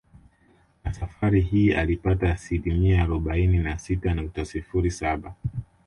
Na safari hii alipata asilimia arobaini na sita nukta sifuri saba